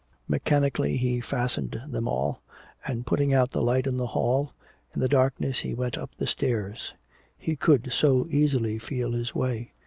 Mechanically he fastened them all; and putting out the light in the hall, in the darkness he went up the stairs. He could so easily feel his way.